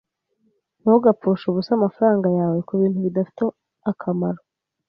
Ntugapfushe ubusa amafaranga yawe kubintu bidafite akamaro.